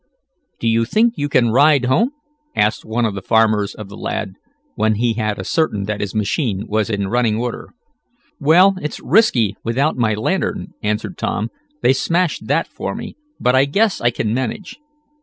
"Do you think you can ride home?" asked one of the farmers of the lad, when he had ascertained that his machine was in running order. "Well, it's risky without my lantern," answered Tom. "They smashed that for me. But I guess I can manage."